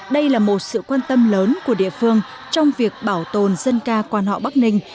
đây là một sự quan tâm lớn của địa phương trong việc bảo tồn dân ca quan họ bắc ninh